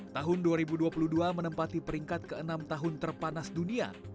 tahun dua ribu dua puluh dua menempati peringkat ke enam tahun terpanas dunia